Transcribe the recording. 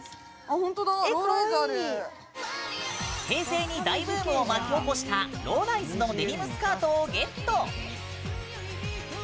平成に大ブームを巻き起こしたローライズのデニムスカートをゲット！